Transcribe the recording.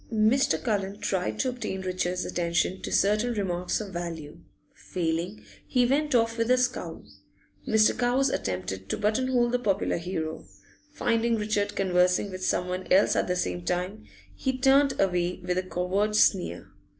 Mr. Cullen tried to obtain Richard's attention to certain remarks of value; failing, he went off with a scowl. Mr. Cowes attempted to button hole the popular hero; finding Richard conversing with someone else at the same time, he turned away with a covert sneer.